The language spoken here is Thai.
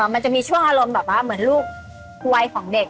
มันจะช่วงอารมณ์เหมือนลูกไวของเด็ก